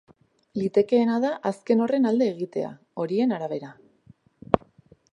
Litekeena da azken horren alde egitea, horien arabera.